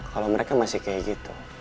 kalau mereka masih kayak gitu